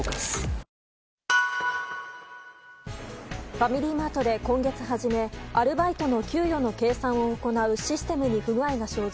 ファミリーマートで今月初めアルバイトの給与の計算を行うシステムに不具合が生じ